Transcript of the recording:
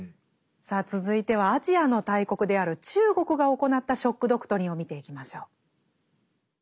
さあ続いてはアジアの大国である中国が行った「ショック・ドクトリン」を見ていきましょう。